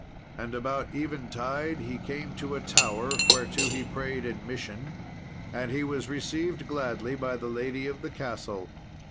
And about eventide he came to a tower, whereto he prayed admission, and he was received gladly by the lady of the castle.